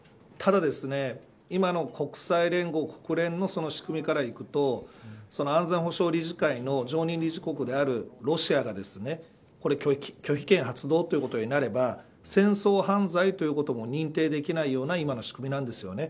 ただ、今の国際連合国連の仕組みからいくと安全保障理事会の常任理事国であるロシアが拒否権発動ということになれば戦争犯罪ということも認定できないような今の仕組みなんです。